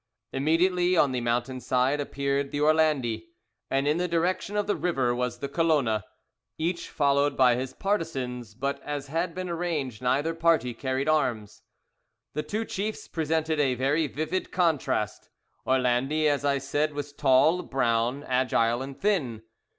Immediately on the mountain side appeared the Orlandi, and in the direction of the river was the Colona, each followed by his partisans, but as had been arranged neither party carried arms. The two chiefs presented a very vivid contrast. Orlandi, as I said, was tall, brown, agile and thin.